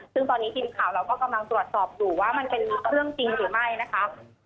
ซึ่งตอนนี้ทีมข่าวเราก็กำลังตรวจสอบอยู่ว่ามันเป็นเครื่องจริงหรือไม่นะคะ